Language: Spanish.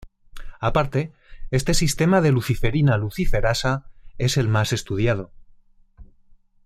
Aparte este sistema de luciferina-luciferasa es el más estudiado.